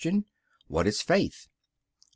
What is Faith? A.